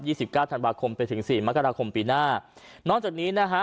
สิบเก้าธันวาคมไปถึงสี่มกราคมปีหน้านอกจากนี้นะฮะ